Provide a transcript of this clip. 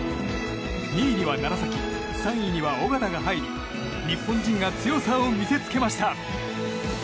２位には楢崎３位には緒方が入り日本人が強さを見せつけました。